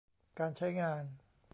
การใช้งาน